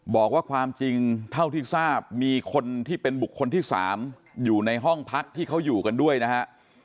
บอกว่าความจริงเท่าที่ทราบมีคนที่เป็นบุคคลที่๓อยู่ในห้องพักที่เขาอยู่กันด้วยนะฮะ